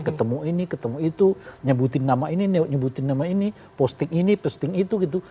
ketemu ini ketemu itu nyebutin nama ini nyebut nyebutin nama ini posting ini posting itu gitu